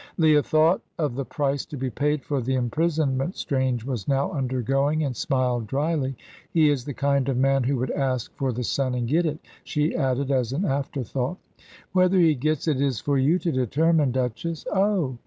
Leah thought of the price to be paid for the imprisonment Strange was now undergoing, and smiled dryly. "He is the kind of man who would ask for the sun and get it," she added, as an afterthought. "Whether he gets it is for you to determine, Duchess." "Oh!"